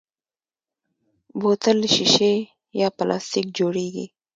بوتل له شیشې یا پلاستیک جوړېږي.